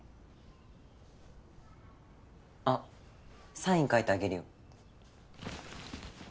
あっサイン書いてあげるよ。